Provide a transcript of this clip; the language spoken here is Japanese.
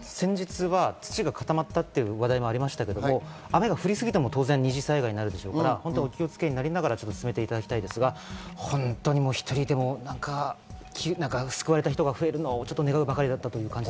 先日は土が固まったっていう話題もありましたけど雨が降りすぎても、当然二次災害になるでしょうから、お気をつけになりながら進めていただきたいですが、本当に１人でも救われた人が増えるのを願うばかりという感